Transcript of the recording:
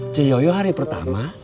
ceyoyo hari pertama